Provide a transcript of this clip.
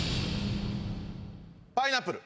パイナップル。